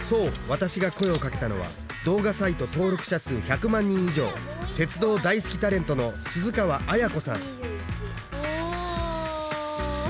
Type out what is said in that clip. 私が声をかけたのは動画サイト登録者数１００万人以上鉄道大好きタレントの鈴川絢子さんおお！